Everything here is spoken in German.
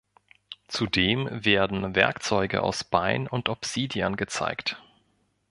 Zudem werden Werkzeuge aus Bein und Obsidian gezeigt.